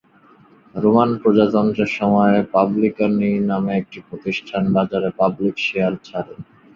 Roman প্রজাতন্ত্রের সময়ে"পাবলিকানি" নামের একটি প্রতিষ্ঠান বাজারে পাবলিক শেয়ার ছাড়ে।